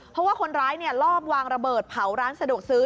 เพราะว่าคนร้ายลอบวางระเบิดเผาร้านสะดวกซื้อ